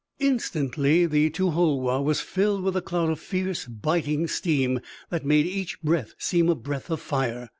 Instantly the to hol woh was filled with a cloud of fierce, biting steam, that made each breath seem a breath of fire.